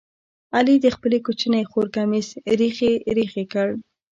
علي د خپلې کوچنۍ خور کمیس ریخې ریخې کړ.